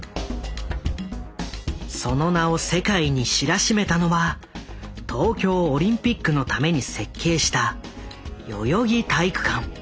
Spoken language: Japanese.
その名を世界に知らしめたのは東京オリンピックのために設計した代々木体育館。